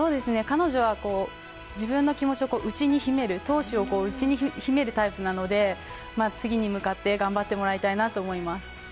彼女は自分の気持ちを内に秘める、闘志を内に秘めるタイプなので次に向かって頑張ってもらいたいと思います。